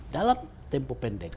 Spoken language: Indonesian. dalam tempo pendek